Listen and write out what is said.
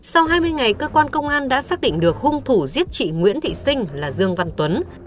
sau hai mươi ngày cơ quan công an đã xác định được hung thủ giết chị nguyễn thị sinh là dương văn tuấn